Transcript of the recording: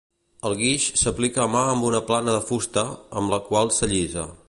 El guix s'aplica a mà amb una plana de fusta, amb la qual s'allisa.